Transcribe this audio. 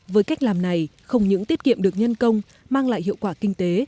với cách làm này không những tiết kiệm được nhân công mang lại hiệu quả kinh tế